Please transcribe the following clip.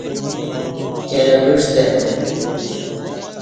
کائی اوعستہ آئی